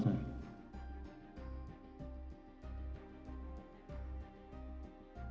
gak pernah sama saya